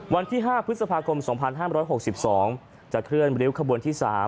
วันที่๕พฤษภาคม๒๕๖๒จะเคลื่อนริ้วขบวนที่๓